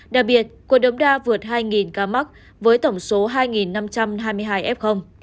đặc biệt quận đống đa vượt hai ca mắc với tổng số hai năm trăm hai mươi hai f